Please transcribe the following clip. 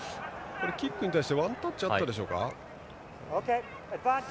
キックに対してワンタッチあったでしょうか。